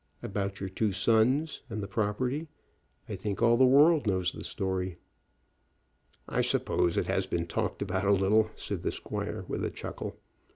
"About your two sons, and the property? I think all the world knows the story." "I suppose it has been talked about a little," said the squire, with a chuckle.